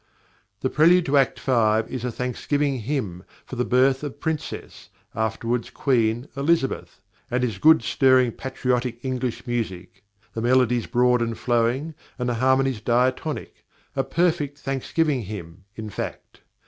The prelude to Act v. is a "Thanksgiving Hymn" for the birth of Princess, afterwards Queen, Elizabeth, and is good, stirring patriotic English music; the melodies broad and flowing and the harmonies diatonic a perfect "Thanksgiving Hymn," in fact.